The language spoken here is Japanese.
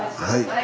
はい。